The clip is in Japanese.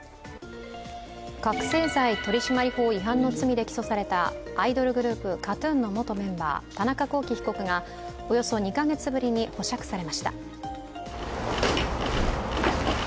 覚醒剤取締法違反の罪で起訴されたアイドルグループＫＡＴ−ＴＵＮの元メンバー田中聖被告がおよそ２カ月ぶりに保釈されました。